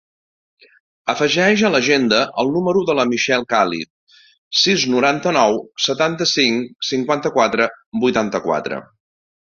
Afegeix a l'agenda el número de la Michelle Caliz: sis, noranta-nou, setanta-cinc, cinquanta-quatre, vuitanta-quatre.